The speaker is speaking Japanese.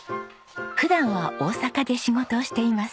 普段は大阪で仕事をしています。